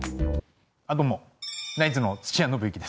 あっどうもナイツの土屋伸之です。